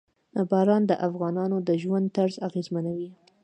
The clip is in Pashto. باران د افغانانو د ژوند طرز اغېزمنوي.